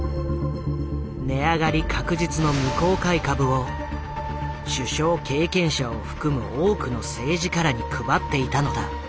値上がり確実の未公開株を首相経験者を含む多くの政治家らに配っていたのだ。